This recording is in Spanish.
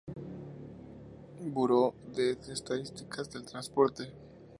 Fuente: Buró de estadísticas del transporte.